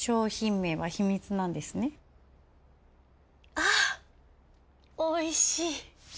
あおいしい。